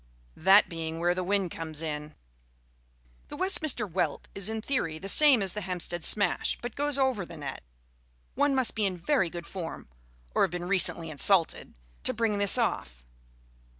That being where the wind comes in. The Westminster Welt is in theory the same as the Hampstead Smash, but goes over the net. One must be in very good form (or have been recently insulted) to bring this off.